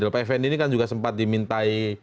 pak effendi ini kan juga sempat dimintai